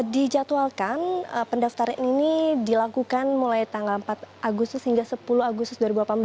dijadwalkan pendaftaran ini dilakukan mulai tanggal empat agustus hingga sepuluh agustus dua ribu delapan belas